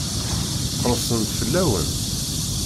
Qersen-d fell-awen?